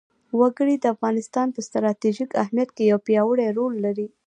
وګړي د افغانستان په ستراتیژیک اهمیت کې یو پیاوړی رول لري.